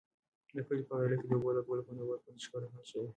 د کلي په ویاله کې د اوبو لګولو په نوبت باندې شخړه حل شوه.